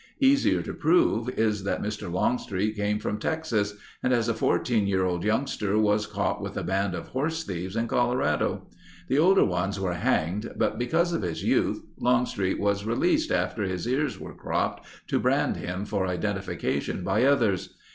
Easier to prove is that Mr. Longstreet came from Texas and as a 14 year old youngster was caught with a band of horse thieves in Colorado. The older ones were hanged but because of his youth Longstreet was released after his ears were cropped to brand him for identification by others.